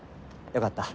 よかった。